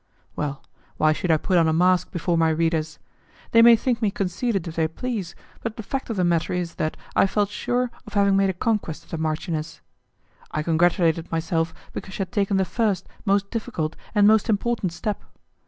Well, why should I put on a mask before my readers? They may think me conceited if they please, but the fact of the matter is that I felt sure of having made a conquest of the marchioness. I congratulated myself because she had taken the first, most difficult, and most important step.